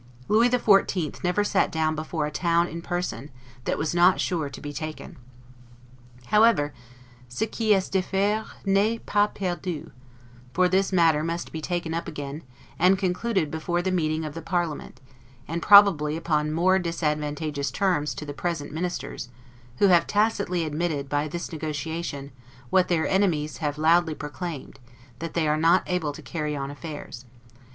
Louis XIV. never sat down before a town in person, that was not sure to be taken. However, 'ce qui est differe n'est pas perdu'; for this matter must be taken up again, and concluded before the meeting of the parliament, and probably upon more disadvantageous terms to the present Ministers, who have tacitly admitted, by this negotiation, what their enemies have loudly proclaimed, that they are not able to carry on affairs.